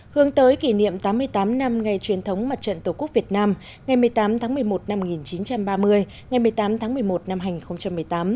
hướng tới kỷ niệm tám mươi tám năm ngày truyền thống mặt trận tổ quốc việt nam ngày một mươi tám tháng một mươi một năm một nghìn chín trăm ba mươi ngày một mươi tám tháng một mươi một năm hai nghìn một mươi tám